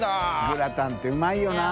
グラタンってうまいよな。